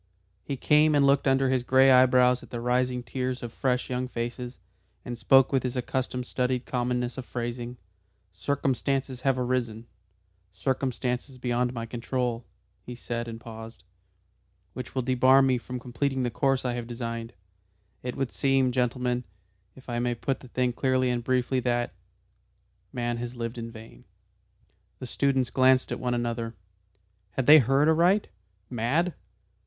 He came and looked under his grey eyebrows at the rising tiers of young fresh faces, and spoke with his accustomed studied commonness of phrasing. "Circumstances have arisen circumstances beyond my control," he said and paused, "which will debar me from completing the course I had designed. It would seem, gentlemen, if I may put the thing clearly and briefly, that Man has lived in vain." The students glanced at one another. Had they heard aright? Mad?